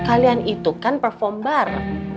kalian itu kan perform bareng